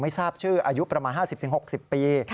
ทราบชื่ออายุประมาณ๕๐๖๐ปี